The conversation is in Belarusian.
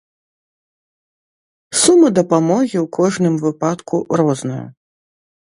Сума дапамогі ў кожным выпадку розная.